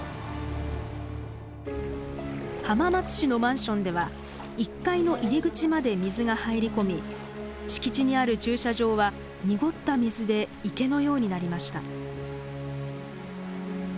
浜松市のマンションでは１階の入り口まで水が入り込み敷地にある駐車場は濁った水で池のようになりました。